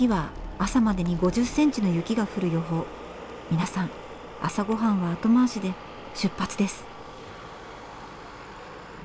皆さん朝ごはんは後回しで出発です。